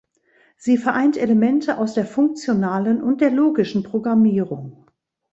Sie vereint Elemente aus der funktionalen und der logischen Programmierung.